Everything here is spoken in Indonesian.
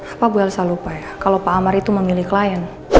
apa bu elsa lupa ya kalau pak amar itu memilih klien